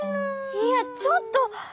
いやちょっと。